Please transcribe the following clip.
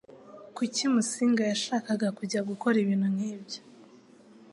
Kuki Musinga yashaka kujya gukora ibintu nkibyo?